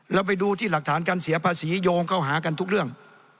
เราไปดูที่หลักฐานการเสียภาษีโยงเข้าหากันทุกเรื่อง